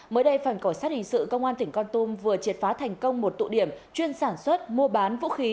mới đây phòng cảnh sát hình sự công an tỉnh con tum vừa triệt phá thành công một tụ điểm chuyên sản xuất mua bán vũ khí